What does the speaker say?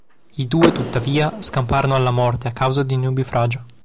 I due tuttavia scamparono alla morte a causa di un nubifragio.